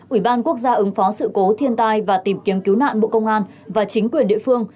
ủy ban quốc gia ứng phó sự cố thiên tai và tìm kiếm cứu nạn bộ công an và chính quyền địa phương